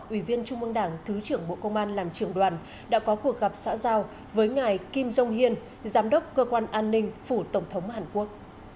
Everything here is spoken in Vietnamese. ủy viên trung mương đảng thứ trưởng bộ công an làm trưởng đoàn đã có cuộc gặp xã giao với ngài kim jong hiên giám đốc cơ quan an ninh phủ tổng thống hàn quốc